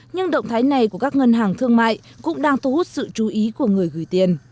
nhưng động thái này của các ngân hàng thương mại cũng đang thu hút sự chú ý của người gửi tiền